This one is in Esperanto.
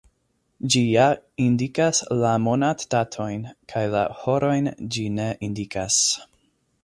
Ĝi ja indikas la monatdatojn, kaj la horojn ĝi ne indikas.